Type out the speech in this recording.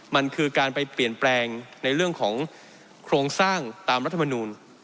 มันคือการไปเปลี่ยนแปลงในเรื่องของโครงสร้างตามรัฐมนูล